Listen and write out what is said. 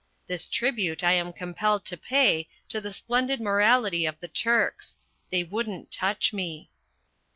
This tribute I am compelled to pay to the splendid morality of the Turks. They wouldn't touch me.